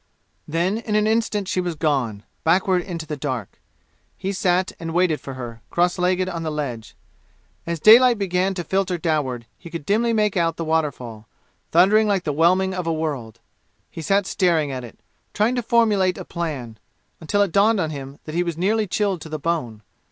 Then in an instant she was gone, backward into the dark. He sat and waited for her, cross legged on the ledge. As daylight began to filter downward he could dimly make out the waterfall, thundering like the whelming of a world; he sat staring at it, trying to formulate a plan, until it dawned on him that he was nearly chilled to the bone.